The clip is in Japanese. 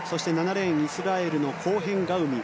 ７レーンにイスラエルのコーヘン・ガウミ。